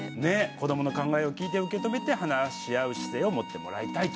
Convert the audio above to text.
「子どもの考えを聴いて受け止めて話し合う姿勢を持ってもらいたい」と。